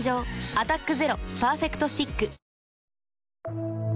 「アタックＺＥＲＯパーフェクトスティック」